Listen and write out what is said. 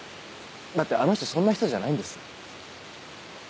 だってあの人そんな人じゃないんです。